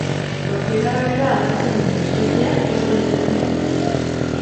Tokien arabera agertzen diren espezieak oso desberdinak dira.